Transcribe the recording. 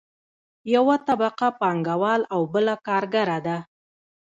یوه طبقه پانګوال او بله کارګره ده.